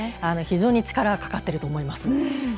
非常に力がかかっていると思います。